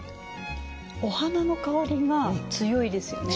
お花の香りが強いですよね。